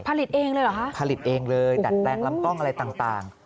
ผลิตเองเลยเหรอฮะผลิตเองเลยดัดแปลงลำกล้องอะไรต่าง